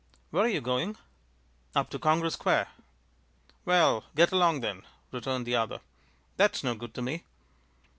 "Where are you going?" "Up to Congress Square." "Well, get along then!" returned the other. "That's no good to me."